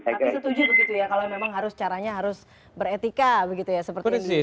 tapi setuju begitu ya kalau memang harus caranya harus beretika begitu ya seperti ini